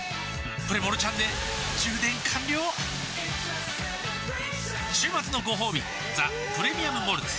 プレモルちゃんで充電完了週末のごほうび「ザ・プレミアム・モルツ」